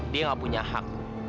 dia nggak punya hak